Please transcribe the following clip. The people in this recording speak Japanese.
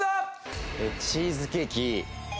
チーズケーキ。